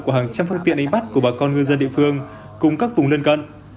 của hàng trăm phương tiện đánh bắt của bà con ngư dân địa phương cùng các vùng lân cận